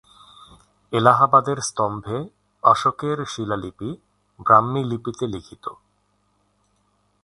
এলাহাবাদের স্তম্ভে অশোকের শিলালিপি ব্রাহ্মী লিপিতে লিখিত।